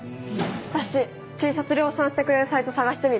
私Ｔシャツ量産してくれるサイト探してみる。